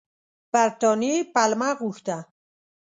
برټانیې پلمه غوښته.